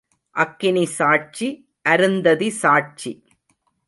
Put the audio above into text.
அக்கினி சாட்சி, அருந்ததி சாட்சி.